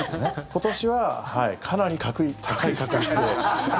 今年はかなり高い確率で。